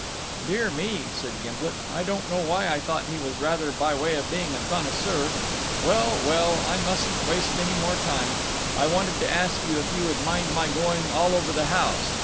"Dear me," said Gimblet. "I don't know why I thought he was rather by way of being a connoisseur. Well, well, I mustn't waste any more time. I wanted to ask you if you would mind my going all over the house.